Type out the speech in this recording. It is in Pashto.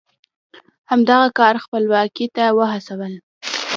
همدغه کار خپلواکۍ ته وهڅول.